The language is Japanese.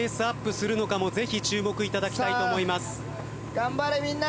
頑張れみんな！